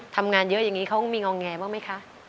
ทำงานเยอะอย่างนี้เขามีงองแงบ้างไหมคะ